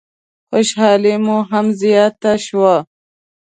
خوشحالي مو هم زیاته شوه.